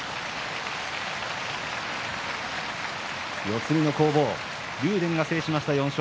四つ身の攻防、竜電が制しました。